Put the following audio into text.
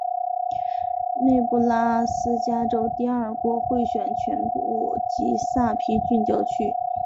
内布拉斯加州第二国会选区全部及萨皮郡郊区。